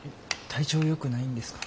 体調よくないんですか？